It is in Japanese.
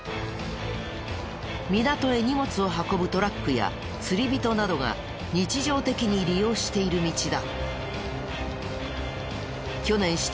港へ荷物を運ぶトラックや釣り人などが日常的に利用している道だ。